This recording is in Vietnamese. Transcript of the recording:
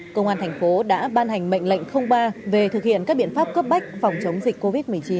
công an thành phố đã ban hành mệnh lệnh ba về thực hiện các biện pháp cấp bách phòng chống dịch covid một mươi chín